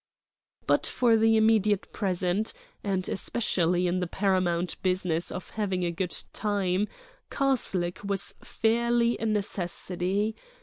But for the immediate present, and especially in the paramount business of having a good time, Karslake was fairly a necessity.